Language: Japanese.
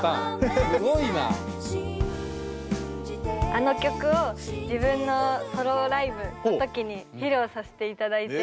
あの曲を自分のソロライブの時に披露させていただいて。